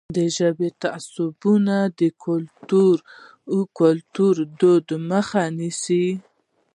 ژبني تعصبونه د کلتوري ودې مخه نیسي.